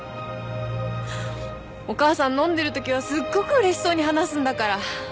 お母さん飲んでるときはすっごくうれしそうに話すんだから。